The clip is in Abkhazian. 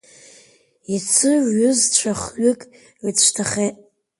Иацы рҩызцәа хҩык рыцәҭахеит.